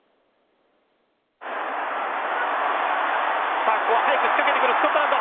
さあここは早く仕掛けてくるスコットランド。